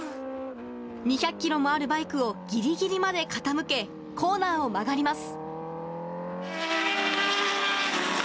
２００キロもあるバイクをぎりぎりまで傾け、コーナーを曲がります。